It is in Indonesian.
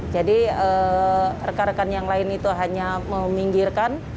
jadi rekan rekan yang lain itu hanya meminggirkan